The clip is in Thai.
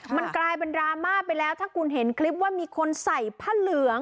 มันกลายเป็นดราม่าไปแล้วถ้าคุณเห็นคลิปว่ามีคนใส่ผ้าเหลือง